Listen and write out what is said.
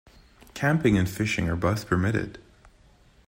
Camping and fishing are both permitted.